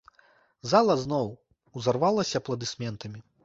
Зала зноў узарвалася апладысментамі.